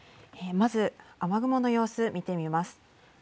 まず雨雲の様子見てみます。